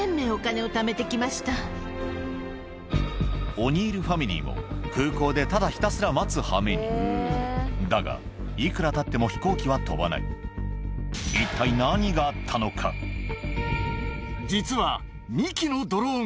オニールファミリーも空港でただひたすら待つ羽目にだがいくらたっても飛行機は飛ばない実は。